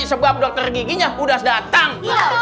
sebab dokter giginya udah datang